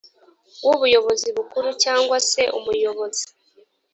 w ubuyobozi bukuru cyangwa se umuyobozi